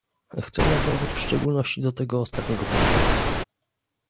Chcę nawiązać w szczególności do tego ostatniego punktu